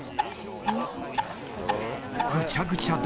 ぐちゃぐちゃだ。